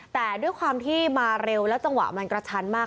แต่ด้วยความที่มาเร็วแล้วจังหวะมันกระชันมาก